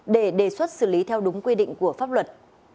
để đề xuất xử lý theo đúng quy định của pháp luật